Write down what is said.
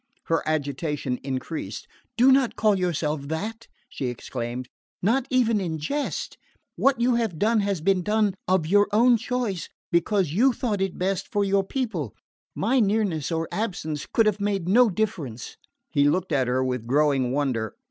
Her agitation increased. "Do not call yourself that!" she exclaimed. "Not even in jest. What you have done has been done of your own choice because you thought it best for your people. My nearness or absence could have made no difference." He looked at her with growing wonder.